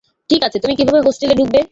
ঠিক আছে, তুমি কিভাবে হোস্টেলে ডুকবে?